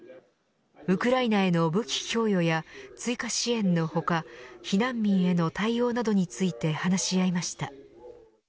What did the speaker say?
ウクライナへの武器供与や追加支援の他避難民への対応などについて話し合いました。